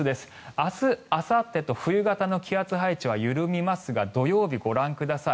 明日、あさってと冬型の気圧配置は緩みますが土曜日、ご覧ください。